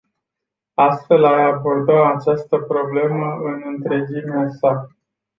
Astfel ai abordat această problemă în întregimea sa.